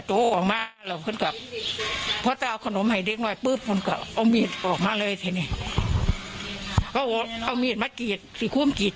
จุศพภัยนางสุทัศน์ก็หาชุด